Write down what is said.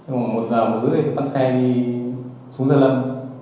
khoảng một giờ một rưỡi thì bắt xe đi xuống gia lâm